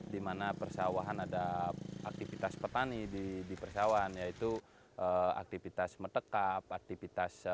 di mana persawahan ada aktivitas petani di persawahan yaitu aktivitas metekap aktivitas